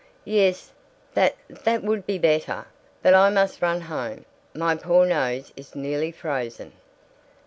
"Yes that that would be better. But I must run home. My poor nose is nearly frozen."